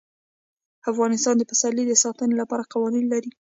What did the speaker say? افغانستان د پسرلی د ساتنې لپاره قوانین لري.